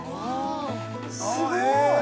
すごい。